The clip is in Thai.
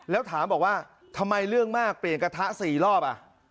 แล้วถามบอกว่าทำไมเรื่องมากเปลี่ยนกระทะ๔รอบ